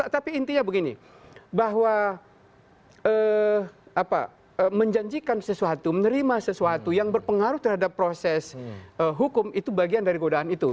tapi intinya begini bahwa menjanjikan sesuatu menerima sesuatu yang berpengaruh terhadap proses hukum itu bagian dari godaan itu